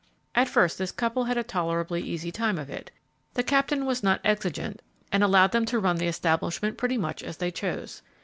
At first this couple had a tolerably easy time of it. The Captain was not exigeant, and allowed them to run the establishment pretty much as they chose.